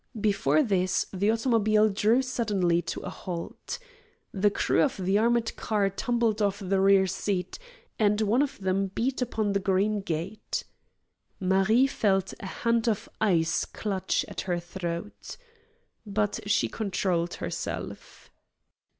Before this the automobile drew suddenly to a halt. The crew of the armored car tumbled off the rear seat, and one of them beat upon the green gate. Marie felt a hand of ice clutch at her throat. But she controlled herself.